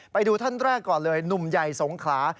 ไปดูท่านแรกก่อนเลยหนุ่มใหญ่สงขลา